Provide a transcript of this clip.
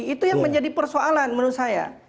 itu yang menjadi persoalan menurut saya